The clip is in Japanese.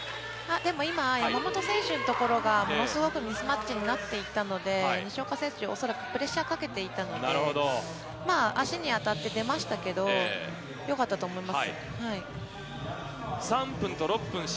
でも今、山本選手のところがものすごくミスマッチになっていたので、西岡選手、恐らく、プレッシャーかけていたので、まあ、足に当たって出ましたけど、試合再開されています。